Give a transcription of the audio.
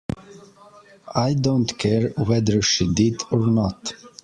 I don't care whether she did or not.